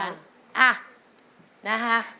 อ่ะนะคะ